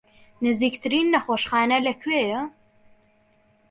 نزیکترین نەخۆشخانە لەکوێیە؟